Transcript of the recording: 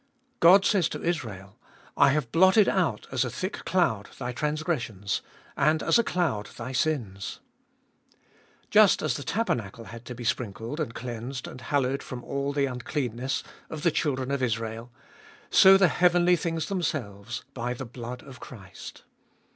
God says to Israel :/ have blotted out as a thick cloud thy transgressions, and as a cloud thy sins. Just as the tabernacle had to be sprinkled and cleansed and hallowed from all the uncleanness of the children of Israel, so the heavenly things themselves by the blood of Christ.